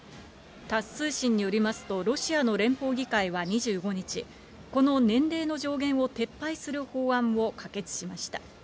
タス通信によりますと、ロシアの連邦議会は２５日、この年齢の上限を撤廃する法案を可決しました。